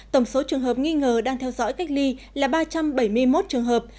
tổng số trường hợp nghi ngờ đang theo dõi cách ly là ba trăm bảy mươi một trường hợp